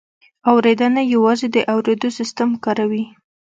اورېدنه یوازې د اورېدو سیستم کاروي